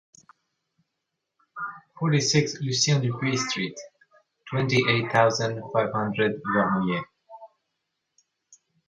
Forty-six Lucien Dupuis Street, twenty-eight thousand five hundred Vernouillet.